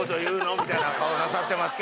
みたいな顔なさってますけれども。